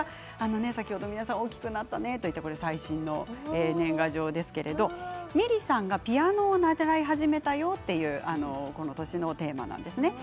皆さん、大きくなったねといった最新のものなんですがミリさんがピアノを習い始めたよというこの年のテーマなんですね。